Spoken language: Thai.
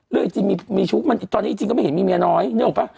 เรื่องจริงมีทุกข์ตอนนี้จริงก็ไม่เห็นมีเมียน้อยนึกออกป่ะ